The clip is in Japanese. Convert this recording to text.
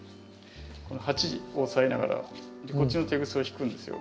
鉢こう押さえながらこっちのテグスを引くんですよ。